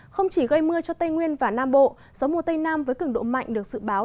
không chỉ gây mưa cho tây nguyên và nam bộ gió mùa tây nam với cứng độ mạnh được dự báo